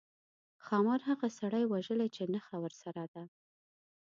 ښامار هغه سړي وژلی چې نخښه ورسره ده.